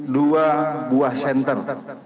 dua buah senter